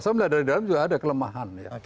saya melihat dari dalam juga ada kelemahan ya